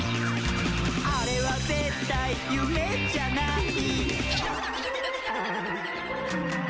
「あれはぜったいゆめじゃない！」「」「」